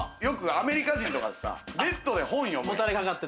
アメリカ人ってベッドで本読むやん？